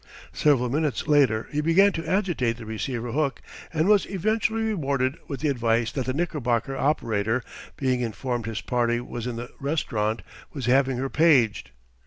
Several minutes later he began to agitate the receiver hook and was eventually rewarded with the advice that the Knickerbocker operator, being informed his party was in the rest'runt, was having her paged.